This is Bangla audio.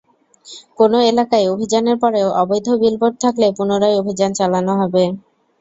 কোনো এলাকায় অভিযানের পরেও অবৈধ বিলবোর্ড থাকলে পুনরায় অভিযান চালানো হবে।